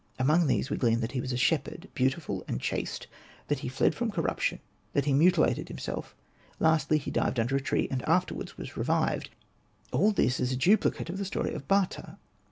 Among these we glean that he was a shepherd, beautiful and chaste ; that he fled from corruption ; that he mutilated himself ; lastly he died under a tree, and afterwards was revived. All this is a duplicate of the story of Bata.